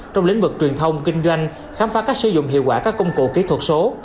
trong lĩnh vực truyền thông kinh doanh khám phá cách sử dụng hiệu quả các công cụ kỹ thuật số